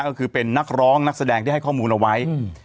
ก็คือเป็นนักร้องนักแสดงที่ให้ข้อมูลเอาไว้